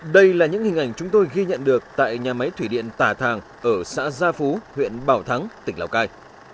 đây là những hình ảnh chúng tôi ghi nhận được tại nhà máy thủy điện tà thàng ở xã gia phú huyện bảo thắng tỉnh lào cai